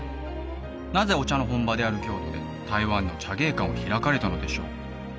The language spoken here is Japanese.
なぜお茶の本場である京都で台湾の茶芸館を開かれたのでしょう？